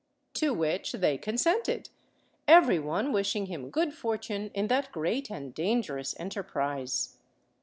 To which they consented, every one wishing him good fortune in that great and dangerous enterprise.